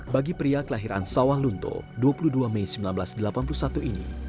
bagi pria kelahiran sawah lunto dua puluh dua mei seribu sembilan ratus delapan puluh satu ini